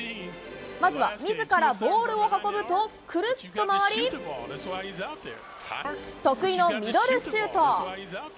まずはみずからボールを運ぶと、くるっと回り、得意のミドルシュート。